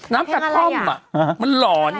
น้ำท่อมอ่ะมันหล่อนอ่ะ